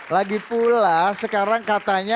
lagipula sekarang katanya